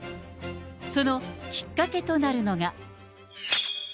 そのきっかけとなるのが。